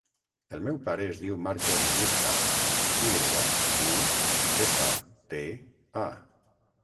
El meu pare es diu Marcos Yusta: i grega, u, essa, te, a.